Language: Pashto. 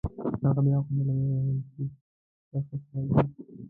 هغه بیا وخندل او ویې ویل چې ته ښه سړی یې.